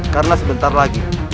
karena sebentar lagi